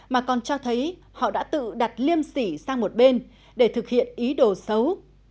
mà còn cho thấy họ đã tự đặt liêm sỉ sang một bên để thực hiện ý đồ xấu